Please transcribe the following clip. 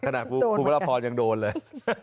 ขนาดคุณพระราพรยังโดนเลย